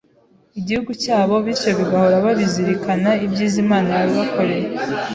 igihugu cyabo, bityo bagahora babizirikana ibyiza Imana yabakoreye.